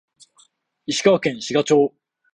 石川県志賀町